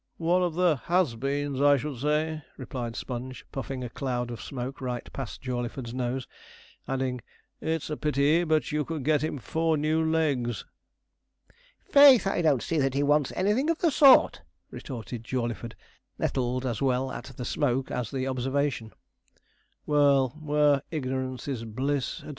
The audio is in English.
'One of the "has beens," I should say,' replied Sponge, puffing a cloud of smoke right past Jawleyford's nose; adding, 'It's a pity but you could get him four new legs.' 'Faith, I don't see that he wants anything of the sort,' retorted Jawleyford, nettled as well at the smoke as the observation. 'Well, where "ignorance is bliss," &c.